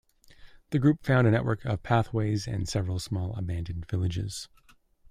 The group found a network of pathways and several small, abandoned villages.